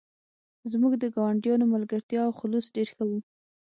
زموږ د ګاونډیانو ملګرتیا او خلوص ډیر ښه و